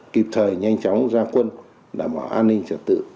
kịp thời nhanh chóng ra quân đảm bảo an ninh trật tự